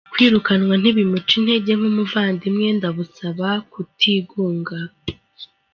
Kwirukanwa ntibimuce intege, nk’umuvandimwe ndamusaba kutigunga.